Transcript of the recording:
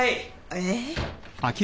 えっ。